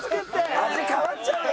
味変わっちゃうよ